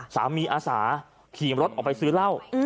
อาสาขี่รถออกไปซื้อเหล้า